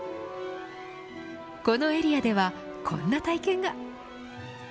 このエリアでは、こんな体験が。